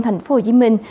thành phố hồ chí minh